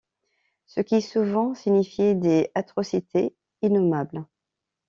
Ce qui souvent signifiait des atrocités innommables.